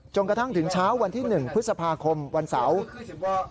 กระทั่งถึงเช้าวันที่๑พฤษภาคมวันเสาร์